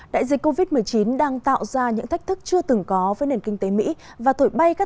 đại dịch covid một mươi chín đang tạo ra những thách thức chưa từng có với nền kinh tế mỹ và thổi bay các